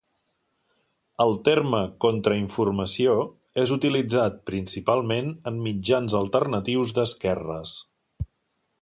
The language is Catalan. El terme contrainformació és utilitzat, principalment, en mitjans alternatius d'esquerres.